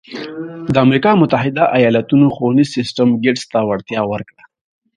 د امریکا متحده ایالتونو ښوونیز سیستم ګېټس ته وړتیا ورکړه.